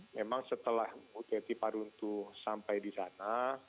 memang setelah bu teti paruntu sampai di sana